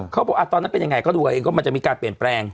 เขาบอกตอนนั้นเป็นยังไงก็ดูเอาเองก็มันจะมีการเปลี่ยนแปลง